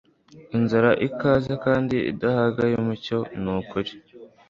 Inzara ikaze kandi idahaga yumucyo nukuri